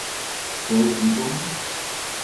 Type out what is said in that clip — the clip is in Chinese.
求其中